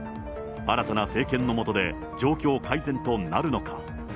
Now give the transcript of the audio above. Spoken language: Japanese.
新たな政権の下で、状況改善となるのか。